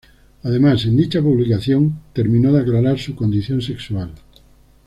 Además, en dicha publicación termino de aclarar su condición sexual.